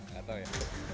enggak tahu ya